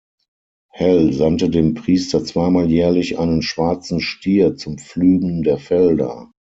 Hel sandte dem Priester zweimal jährlich einen schwarzen Stier zum Pflügen der Felder.